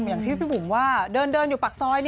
อย่างที่พี่บุ๋มว่าเดินอยู่ปากซอย